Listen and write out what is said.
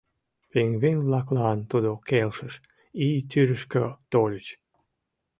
Пингвин-влаклан тудо келшыш, ий тӱрышкӧ тольыч.